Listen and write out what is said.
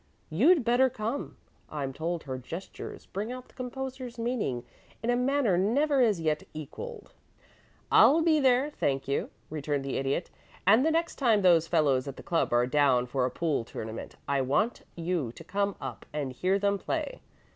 You'd better come. I'm told her gestures bring out the composer's meaning in a manner never as yet equalled." [Illustration: "'THE CORKS POPPED TO SOME PURPOSE LAST NIGHT'"] "I'll be there; thank you," returned the Idiot. "And the next time those fellows at the club are down for a pool tournament I want you to come up and hear them play.